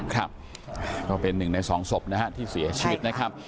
ครับก็เป็นหนึ่งในสองศพนะฮะที่เสียชีวิตนะครับ